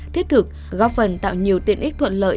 thiết thực góp phần tạo nhiều tiện ích thuận lợi